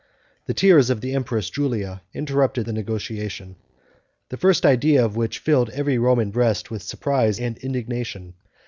The tears of the empress Julia interrupted the negotiation, the first idea of which had filled every Roman breast with surprise and indignation.